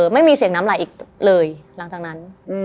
ไม่มีเสียงน้ำไหลอีกเลยหลังจากนั้น